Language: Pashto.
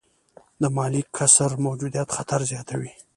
د مالي کسر موجودیت خطر زیاتوي.